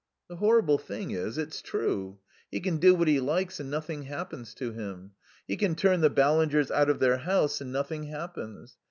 "The horrible thing is, it's true. He can do what he likes and nothing happens to him. He can turn the Ballingers out of their house and nothing happens.